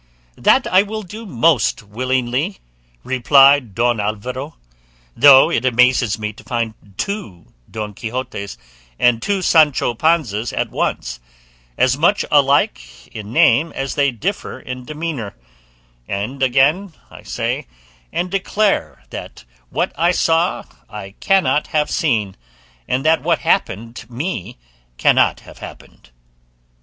"That I will do most willingly," replied Don Alvaro; "though it amazes me to find two Don Quixotes and two Sancho Panzas at once, as much alike in name as they differ in demeanour; and again I say and declare that what I saw I cannot have seen, and that what happened me cannot have happened."